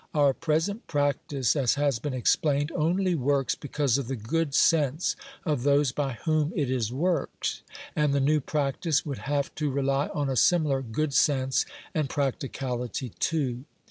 Our present practice, as has been explained, only works because of the good sense of those by whom it is worked, and the new practice would have to rely on a similar good sense and practicality too.